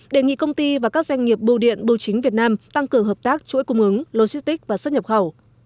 đề nghị công ty và các doanh nghiệp bưu điện bưu chính việt nam tăng cường hợp tác chuỗi cung ứng logistic và xuất nhập khẩu